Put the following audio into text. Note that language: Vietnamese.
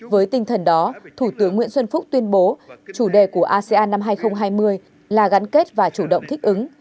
với tinh thần đó thủ tướng nguyễn xuân phúc tuyên bố chủ đề của asean năm hai nghìn hai mươi là gắn kết và chủ động thích ứng